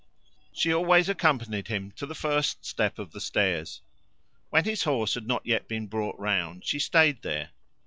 She always accompanied him to the first step of the stairs. When his horse had not yet been brought round she stayed there.